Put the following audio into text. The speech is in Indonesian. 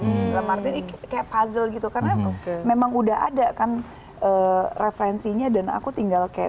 dalam arti kayak puzzle gitu karena memang udah ada kan referensinya dan aku tinggal kayak